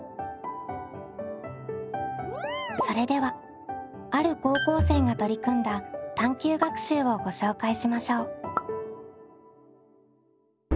それではある高校生が取り組んだ探究学習をご紹介しましょう。